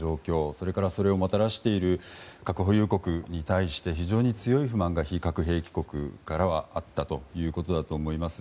それから、それをもたらしている核保有国に対して非常に強い不満が非核兵器保有国からあったということだと思います。